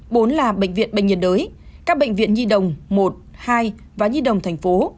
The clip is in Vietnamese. bốn là bệnh viện bệnh nhiệt đới các bệnh viện nhi đồng một hai và nhi đồng thành phố